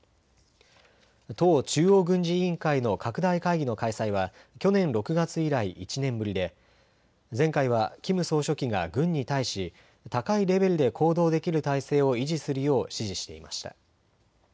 党中央軍事委員会の拡大会議の開催は去年６月以来、１年ぶりで前回はキム総書記が軍に対し高いレベルで行動できる態勢を維持するよう指示していました。